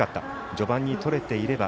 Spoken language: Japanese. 序盤に取れていれば。